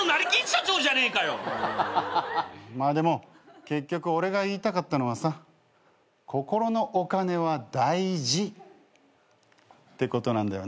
まあでも結局俺が言いたかったのはさ心のお金は大事ってことなんだよね。